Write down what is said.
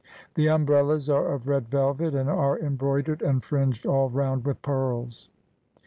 The umbrellas are of red velvet, and are embroidered and fringed all round with pearls.